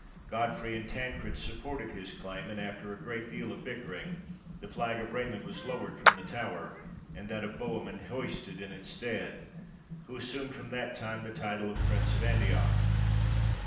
Godfrey and Tancred supported his claim, and, after a great deal of bickering, the flag of Raymond was lowered from the tower, and that of Bohemund hoisted in its stead, who assumed from that time the title of Prince of Antioch.